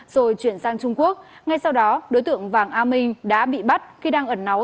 rồi chuyển sang trung quốc ngay sau đó đối tượng vàng a minh đã bị bắt khi đang ẩn náu